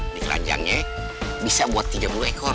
ini keranjangnya bisa buat tiga puluh ekor